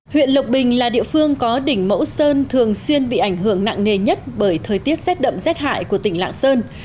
huyện lộc bình là địa phương có đỉnh mẫu sơn thường xuyên bị ảnh hưởng nặng nề nhất bởi thời tiết rét đậm rét hại của tỉnh lạng sơn